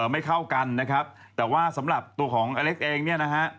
ไม่เข้ากันนะครับแต่ว่าสำหรับตัวของอเล็กซ์เองเนี่ยนะฮะ